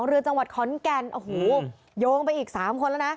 เรือจังหวัดขอนแก่นโอ้โหโยงไปอีก๓คนแล้วนะ